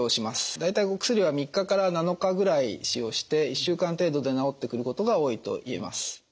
大体お薬は３日から７日ぐらい使用して１週間程度で治ってくることが多いといえます。